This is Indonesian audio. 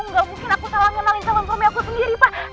ga mungkin aku salah kenalin calon suami aku sendiri pak